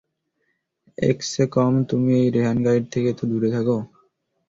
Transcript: একছে কম তুমি এই রেহান গাইড থেকে তো দূরে থাকো।